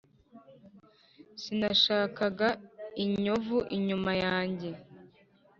sinashaka inyovu inyuma yange